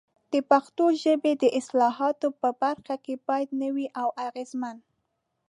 د پښتو ژبې د اصطلاحاتو په برخه کې باید نوي او اغېزمن